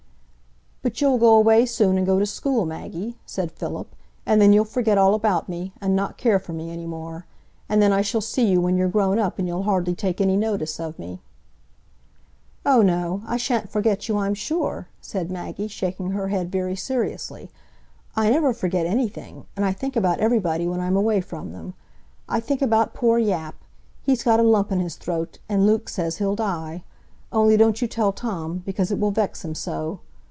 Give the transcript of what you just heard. "But you'll go away soon, and go to school, Maggie," said Philip, "and then you'll forget all about me, and not care for me any more. And then I shall see you when you're grown up, and you'll hardly take any notice of me." "Oh, no, I sha'n't forget you, I'm sure," said Maggie, shaking her head very seriously. "I never forget anything, and I think about everybody when I'm away from them. I think about poor Yap; he's got a lump in his throat, and Luke says he'll die. Only don't you tell Tom. because it will vex him so.